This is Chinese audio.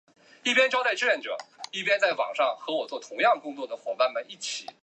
田道间守是之始祖。